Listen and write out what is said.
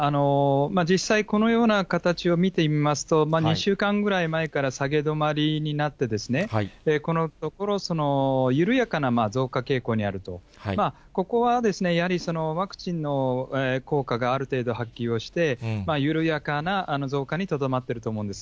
実際、このような形を見てみますと、２週間ぐらい前から下げ止まりになって、このところ、緩やかな増加傾向にあると、ここはやはりワクチンの効果がある程度発揮をして、緩やかな増加にとどまっていると思うんです。